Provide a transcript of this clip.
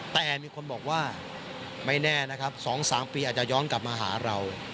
แต่มีคนบอกว่าไม่แน่นะครับ๒๓ปีอาจจะย้อนกลับมาหาเรา